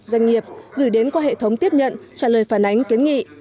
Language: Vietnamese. doanh nghiệp gửi đến qua hệ thống tiếp nhận trả lời phản ánh kiến nghị